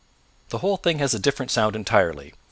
The whole thing has a different sound entirely.